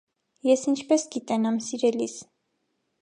- Ես ինչպե՞ս գիտենամ, սիրելիս…